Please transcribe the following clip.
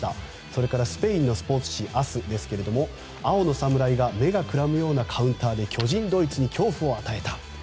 それからスペインのスポーツ紙アスですが青のサムライが目がくらむようなカウンターで巨人ドイツに恐怖を与えた。